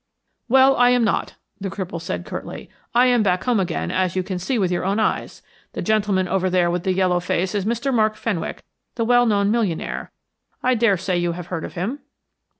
"Well, I am not," the cripple said curtly. "I am back home again, as you can see with your own eyes. The gentleman over there with the yellow face is Mr. Mark Fenwick, the well known millionaire. I daresay you have heard of him."